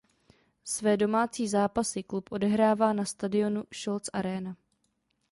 Své domácí zápasy klub odehrává na stadionu Scholz Arena.